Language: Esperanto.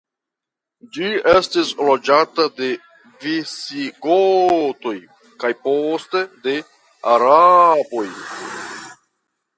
Ĝi estis loĝata de visigotoj kaj poste de araboj.